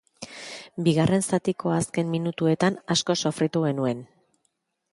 Bigarren zatiko azken minutuetan asko sofritu genuen.